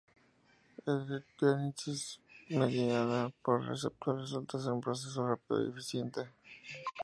La endocitosis mediada por receptor resulta ser un proceso rápido y eficiente.